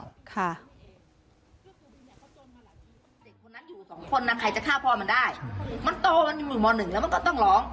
เด็กคนนั้นอยู่สองคนน่ะใครจะฆ่าพ่อมันได้มันโตมันอยู่มหนึ่งแล้วมันก็ต้องร้อง